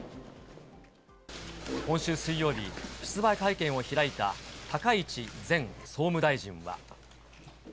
今週水曜日、出馬会見を開いた高市前総務大臣は。